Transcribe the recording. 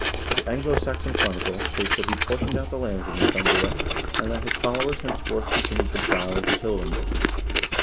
The "Anglo Saxon Chronicle" statis that he portioned out the lands of Northumbria, and that his followers henceforth continued to plow and to till them.